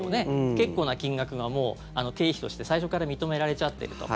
結構な金額がもう経費として最初から認められちゃってると。